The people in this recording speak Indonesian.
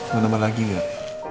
mau nembel lagi gak